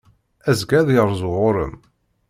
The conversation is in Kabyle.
Azekka ad yerzu ɣur-m.